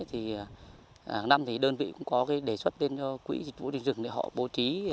thì hàng năm đơn vị cũng có đề xuất lên cho quỹ dịch vụ điện rừng để họ bố trí